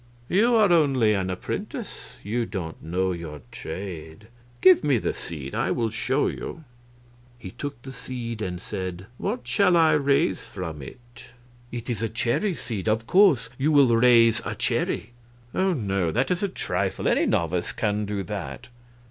"You are only an apprentice; you don't know your trade. Give me the seed. I will show you." He took the seed and said, "What shall I raise from it?" "It is a cherry seed; of course you will raise a cherry." "Oh no; that is a trifle; any novice can do that.